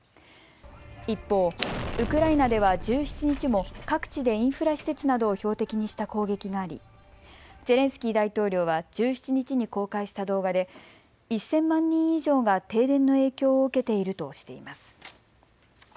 一方、ウクライナでは１７日も各地でインフラ施設などを標的にした攻撃がありゼレンスキー大統領は１７日に公開した動画で１０００万人以上が停電の影響を受けているとしています。